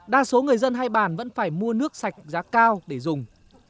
đa số người dân hai bàn vẫn phải mua nước sạch giá cao để dùng